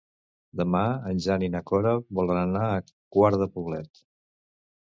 Demà en Jan i na Cora volen anar a Quart de Poblet.